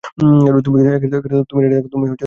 তুমি রেডি থাকো।